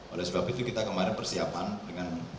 oleh sebab itu kita kemarin persiapan dengan